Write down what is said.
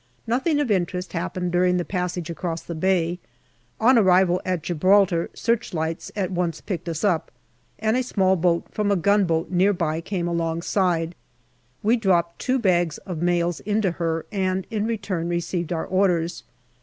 Nothing of interest happened during the passage across the Bay. On arrival at Gibraltar search lights at once picked us up, and a small boat from a gunboat near by came alongside we dropped two bags of mails into her and in return received our orders.